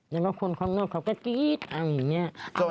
แล้วก็คนข้างนอกเขาก็กรี๊ดเอาอย่างนี้